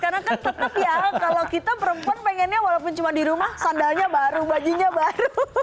karena kan tetep ya kalau kita perempuan pengennya walaupun cuma di rumah sandalnya baru bajunya baru